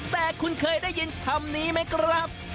แต่คุณเคยได้ยินคำนี้ไหมครับ